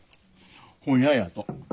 本屋やと。